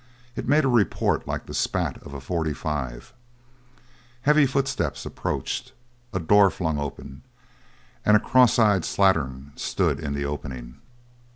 It made a report like the spat of a forty five; heavy footsteps approached, a door flung open, and a cross eyed slattern stood in the opening.